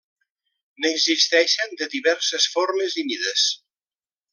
N'existeixen de diverses formes i mides.